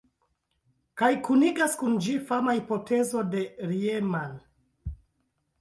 Kaj kunigas kun ĝi fama hipotezo de Riemann.